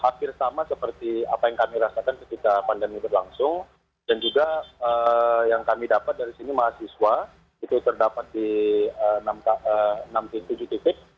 hampir sama seperti apa yang kami rasakan ketika pandemi berlangsung dan juga yang kami dapat dari sini mahasiswa itu terdapat di enam tujuh titik